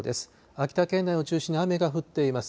秋田県内を中心に雨が降っています。